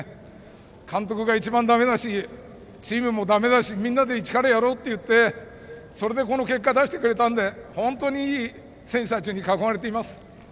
監督が一番だめだしチームもだめだしみんなで一からやろうといってそれでこの結果を出してくれたので本当に、いい選手たちに囲まれています。